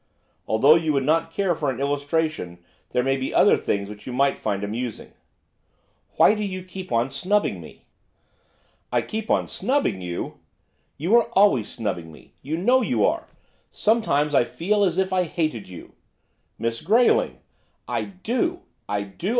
Although you would not care for an illustration, there may be other things which you might find amusing.' 'Why do you keep on snubbing me?' 'I keep on snubbing you!' 'You are always snubbing me, you know you are. Some times I feel as if I hated you.' 'Miss Grayling!' 'I do! I do!